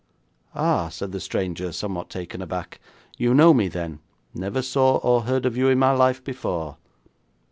'Ah,' said the stranger, somewhat taken aback, 'you know me, then.' 'Never saw or heard of you in my life before.'